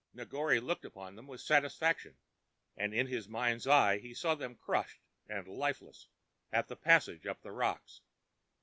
Negore looked upon them with satisfaction, and in his mind's eye he saw them crushed and lifeless at the passage up the rocks.